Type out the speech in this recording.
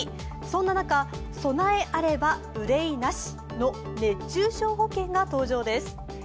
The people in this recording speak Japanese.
そんな中、備えあれば憂いなしの熱中症保険が登場です。